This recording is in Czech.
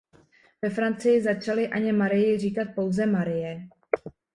Ve Francii začali Anně Marii říkat pouze Marie.